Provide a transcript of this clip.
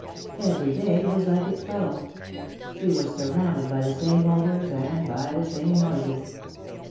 Every day was like its fellow. He was surrounded by the same odors, and by the same noises.